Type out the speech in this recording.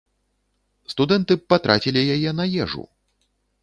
Студэнты б патрацілі яе на ежу.